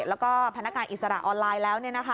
แล้วก็พนักงานอิสระออนไลน์แล้ว